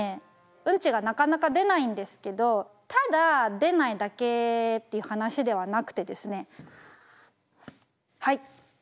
うんちがなかなか出ないんですけどただ出ないだけっていう話ではなくてですねはい！